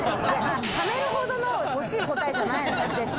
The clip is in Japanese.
ためるほどの惜しい答えじゃないよ、絶対。